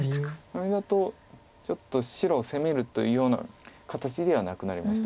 これだとちょっと白を攻めるというような形ではなくなりました。